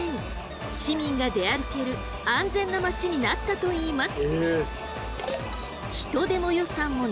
市民が出歩ける安全な街になったといいます。